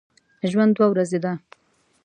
ژوند دوې ورځي دی